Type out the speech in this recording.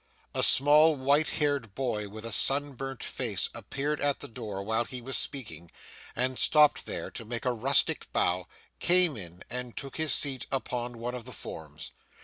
A small white headed boy with a sunburnt face appeared at the door while he was speaking, and stopping there to make a rustic bow, came in and took his seat upon one of the forms.